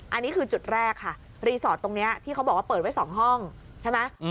อันนี้คือจุดแรกค่ะรีสอร์ทตรงนี้ที่เขาบอกว่าเปิดไว้๒ห้องใช่ไหม